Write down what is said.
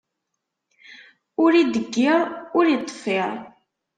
Ur ideyyir, ur iṭṭeffiṛ.